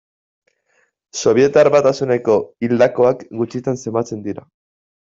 Sobietar Batasuneko hildakoak gutxitan zenbatzen dira.